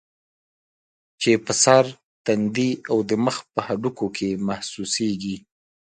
چې پۀ سر ، تندي او د مخ پۀ هډوکو کې محسوسيږي